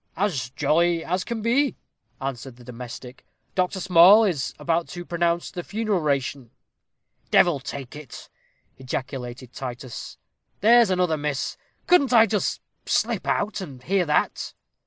"All as jolly as can be," answered the domestic; "Dr. Small is just about to pronounce the funeral 'ration." "Devil take it," ejaculated Titus, "there's another miss! Couldn't I just slip out, and hear that?"